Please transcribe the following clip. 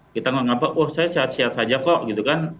kita menganggap oh saya sehat sehat saja kok gitu kan